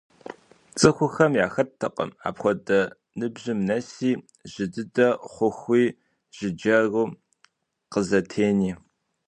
ЦӀыхухэм яхэттэкъым апхуэдэ ныбжьым нэси, жьы дыдэ хъуху жыджэру къызэтени.